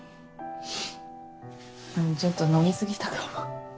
ちょっと飲み過ぎたかも。